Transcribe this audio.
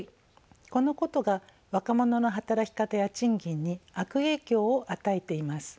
このことが若者の働き方や賃金に悪影響を与えています。